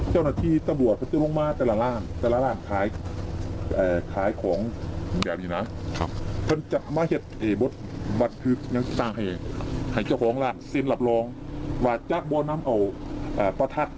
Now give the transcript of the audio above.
ให้เจ้าของล่ะหรือละบลองว่าจะบ่อน้ำเอาประทักษ์